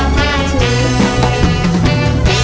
ยังเพราะความสำคัญ